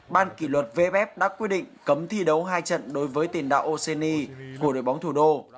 ban kỷ luật vf đã quyết định cấm thi đấu hai trận đối với tiền đạo oceani của đội bóng thủ đô